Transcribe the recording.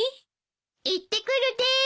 いってくるです！